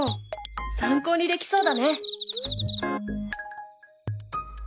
参考にできそうだね。